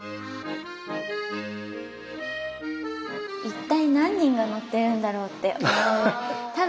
一体何人が乗ってるんだろうって思って。